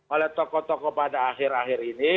oleh tokoh tokoh pada akhir akhir ini